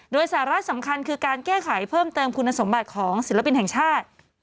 โดยสาระสำคัญคือการแก้ไขเพิ่มเติมคุณสมบัติของศิลปินแห่งชาติ